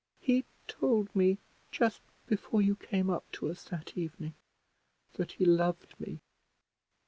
"He told me, just before you came up to us that evening, that he loved me."